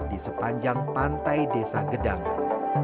di sepanjang pantai desa gedangan